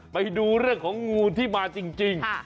ไปดูเรื่องของงูที่มาจริง